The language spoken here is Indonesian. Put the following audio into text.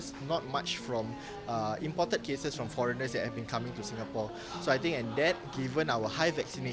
sejak saat pemerintah tniw menunjukkan rencana untuk hidup dengan covid sembilan belas sebagai pandemi ini selalu menjadi rencana